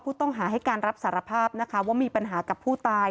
ผู้ต้องหาให้การรับสารภาพนะคะว่ามีปัญหากับผู้ตาย